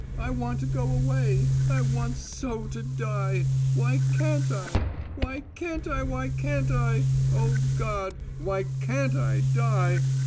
I want to go away: I want so to die: Why can't I? Why can't I! Why can't I! Oh, God, why can't I die?